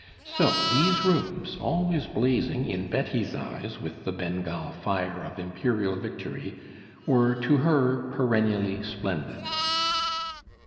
So these rooms, always blazing in Betty's eyes with the Bengal fire of Imperial victory, were to her perennially splendid.